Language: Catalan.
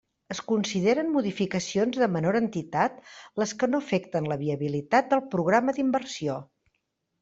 Es consideren modificacions de menor entitat les que no afecten la viabilitat del programa d'inversió.